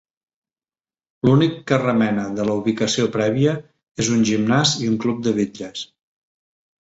L'únic que remena de la ubicació prèvia és un gimnàs i un club de bitlles.